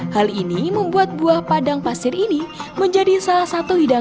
hal ini membuat buah padang pasir ini menjadi salah satu hidangan